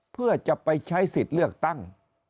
เพื่อจะไปใช้สิทธิ์เลือกตั้ง